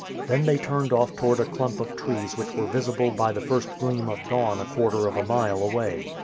Then they turned off toward a clump of trees which were visible by the first gleam of dawn a quarter of a mile away.